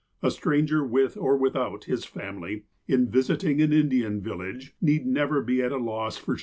"A stranger, with or without his family, in visiting an In dian village, need never be at a loss for shelter.